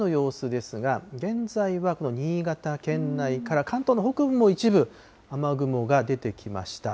まずは現在の雨の様子ですが、現在は新潟県内から関東の北部も一部雨雲が出てきました。